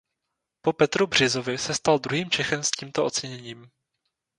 Po Petru Břizovi se stal druhým Čechem s tímto oceněním.